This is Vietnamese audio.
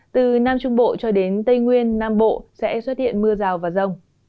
từ nam trung bộ cho đến tây nguyên nam bộ sẽ xuất hiện mưa rào và rông